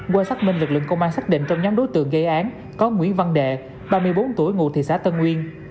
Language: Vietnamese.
qua xác minh lực lượng công an xác định trong nhóm đối tượng gây án có nguyễn văn đệ ba mươi bốn tuổi ngụ thị xã tân nguyên